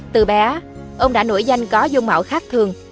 từ bé ông đã nổi danh có dung mạo khác thường